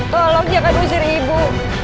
tolong ya kan usir ibu